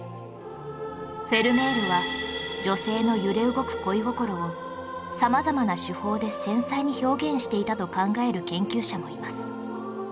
フェルメールは女性の揺れ動く恋心を様々な手法で繊細に表現していたと考える研究者もいます